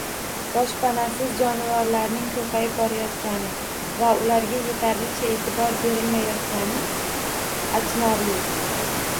Boshpanasiz jonivorlarning ko‘payib borayotgani va ularga yetarlicha e’tibor berilmayotgani achinarli